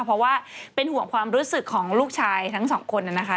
เพราะว่าเป็นห่วงความรู้สึกของลูกชายทั้งสองคนนะคะ